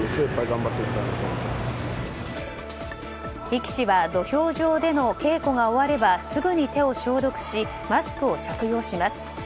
力士は土俵上での稽古が終わればすぐに手を消毒しマスクを着用します。